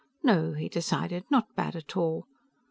No, he decided, not bad at all.